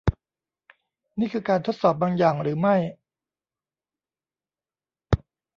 นี่คือการทดสอบบางอย่างหรือไม่ ?